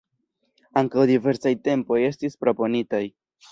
Ankaŭ diversaj tempoj estis proponitaj.